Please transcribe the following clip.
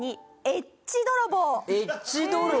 「エッチ泥棒」